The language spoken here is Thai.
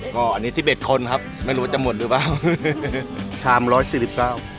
ก็อันนี้สิบเอ็ดคนครับไม่รู้ว่าจะหมดหรือเปล่าสามร้อยสี่สิบเก้า